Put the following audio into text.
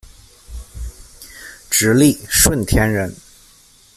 直隶顺天人。